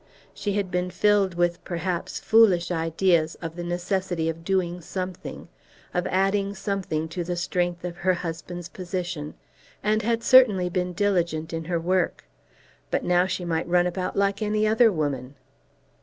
She had been filled with, perhaps, foolish ideas of the necessity of doing something, of adding something to the strength of her husband's position, and had certainly been diligent in her work. But now she might run about like any other woman.